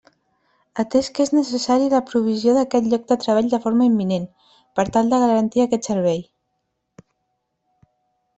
Atès que és necessari la provisió d'aquest lloc de treball de forma imminent, per tal de garantir aquest servei.